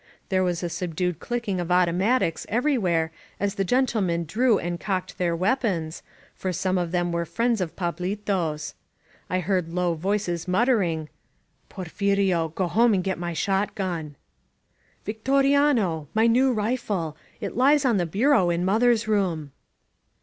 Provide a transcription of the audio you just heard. There was a subdued clicking of automatics everywhere as the gentlemen drew and cocked their weapons, for some of them were friends of Fablito's. I heard low voices muttering: "Porfirio ! Go home and get my shotgun ! "Victoriano! My new rifle! It Ues on the bureau in mother's room.''